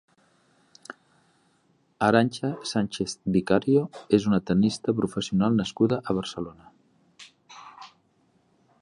Arantxa Sánchez Vicario és una tennista professional nascuda a Barcelona.